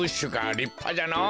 りっぱじゃのぉ。